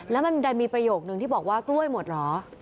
แล้วมันดันมีประโยคนึงที่บอกว่ากล้วยหมดเหรอ